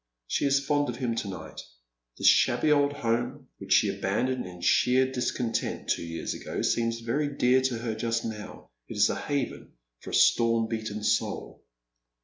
She is fond of him to night. This shabby old home, which ehe abandoned in sheer discontent two years ago, seems very dear to her just now. It is a haven for a storm beaten soul.